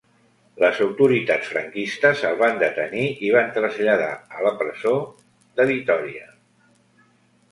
Les autoritats franquistes el van detenir i van traslladar a la presó de Vitòria.